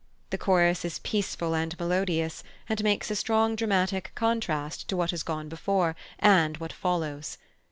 The chorus is peaceful and melodious, and makes a strong dramatic contrast to what has gone before and what follows.